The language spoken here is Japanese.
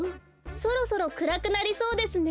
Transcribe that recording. そろそろくらくなりそうですね。